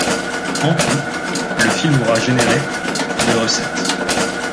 En tout, le film aura généré de recettes.